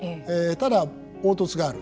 ただ凹凸がある。